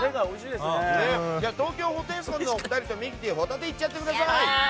東京ホテイソンのお二人とミキティホタテいっちゃってください！